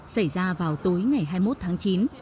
xảy ra vào tối ngày hai mươi một tháng chín